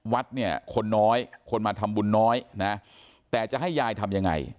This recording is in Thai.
วัดเนี่ยคนน้อยคนมาทำบุญน้อยนะแต่จะให้ยายทำยังไง